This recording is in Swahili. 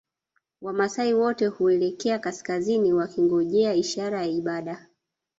Wamaasai wote huelekea kaskazini wakingojea ishara ya ibada